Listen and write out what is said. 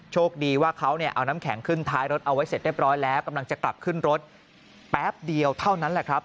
โชคดีว่าเขาเนี่ยเอาน้ำแข็งขึ้นท้ายรถเอาไว้เสร็จเรียบร้อยแล้วกำลังจะกลับขึ้นรถแป๊บเดียวเท่านั้นแหละครับ